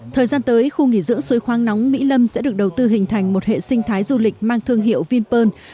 thời gian tới khu nghỉ dưỡng suối khoáng nóng mỹ lâm sẽ được đầu tư hình thành một hệ sinh thái du lịch mang thương hiệu vinpearl